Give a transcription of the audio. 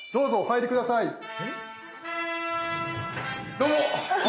どうも。